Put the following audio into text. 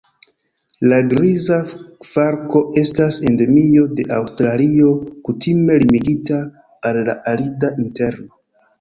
La Griza falko estas endemio de Aŭstralio, kutime limigita al la arida interno.